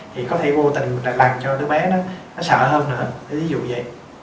thì có thể vô tình mình làm cho đứa bé nó sợ hơn nữa